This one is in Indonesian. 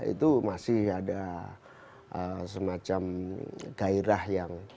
itu masih ada semacam gairah yang